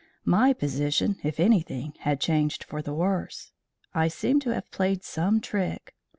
My position, if anything, had changed for the worse. I seemed to have played some trick.